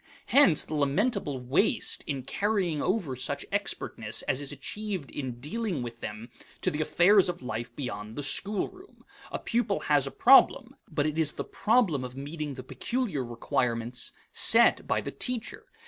Hence the lamentable waste in carrying over such expertness as is achieved in dealing with them to the affairs of life beyond the schoolroom. A pupil has a problem, but it is the problem of meeting the peculiar requirements set by the teacher.